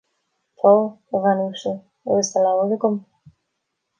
Tá, a bhean uasal, agus tá leabhar agam